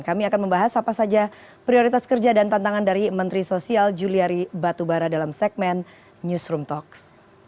kami akan membahas apa saja prioritas kerja dan tantangan dari menteri sosial juliari batubara dalam segmen newsroom talks